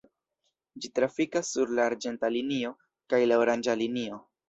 Ĝi trafikas sur la arĝenta linio kaj la oranĝa linio.